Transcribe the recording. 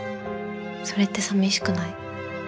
それって寂しくない？